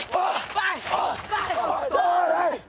ファイッ！